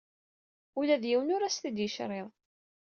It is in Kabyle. Ula d yiwen ur as-t-id-yecriḍ.